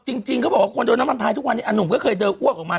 จริงเขาบอกว่าคนโดนน้ำมันพายทุกวันนี้หนุ่มก็เคยเดินอ้วกออกมา